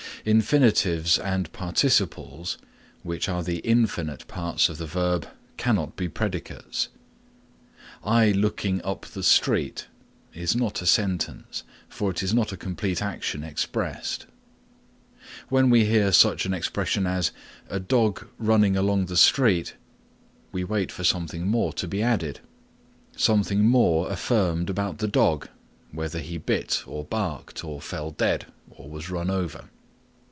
Infinitives and participles which are the infinite parts of the verb cannot be predicates. "I looking up the street" is not a sentence, for it is not a complete action expressed. When we hear such an expression as "A dog running along the street," we wait for something more to be added, something more affirmed about the dog, whether he bit or barked or fell dead or was run over.